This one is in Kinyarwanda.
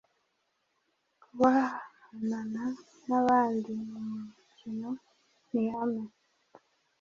Kubahanana n’ abandi mu mukino ni ihame